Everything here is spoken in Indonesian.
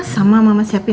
sama mama siapin asian